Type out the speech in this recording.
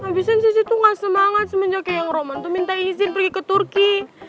abisan sissy tuh gak semangat semenjak yang roman tuh minta izin pergi ke turki